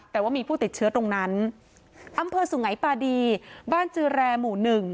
แต่ว่ามีผู้ติดเชื้อตรงนั้นอำเภอสุงัยปาดีบ้านจือแรหมู่หนึ่ง